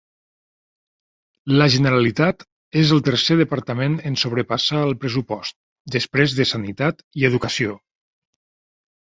La Generalitat és el tercer departament en sobrepassar el pressupost, després de Sanitat i Educació.